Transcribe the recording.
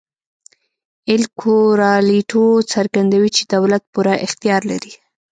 اېل کورالیټو څرګندوي چې دولت پوره اختیار لري.